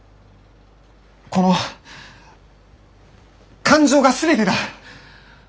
この感情が全てだ。